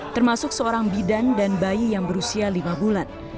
termasuk seorang bidan dan bayi yang berusia lima bulan